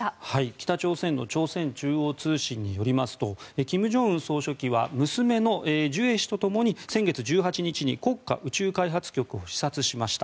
北朝鮮の朝鮮中央通信によりますと金正恩総書記は娘のジュエ氏とともに先月１８日に国家宇宙開発局を視察しました。